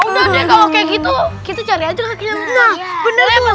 udah deh kalo kaya gitu kita cari aja kakeknya lukman